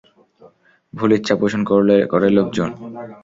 ভুল ইচ্ছা পোষণ করে লোকজন।